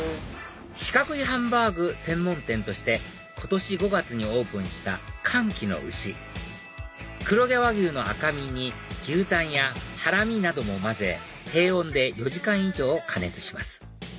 四角いハンバーグ専門店として今年５月にオープンした歓喜の牛黒毛和牛の赤身に牛タンやハラミなども混ぜ低温で４時間以上加熱します